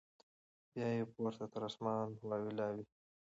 بیا یې پورته تر اسمانه واویلا وي